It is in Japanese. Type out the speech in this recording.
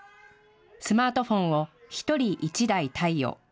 スマートフォンを１人１台貸与。